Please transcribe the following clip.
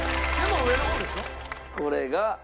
これが。